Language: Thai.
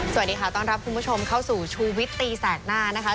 สวัสดีค่ะต้อนรับคุณผู้ชมเข้าสู่ชูวิตตีแสกหน้านะคะ